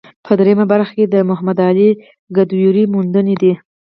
په درېیمه برخه کې د محمد علي کدیور موندنې دي.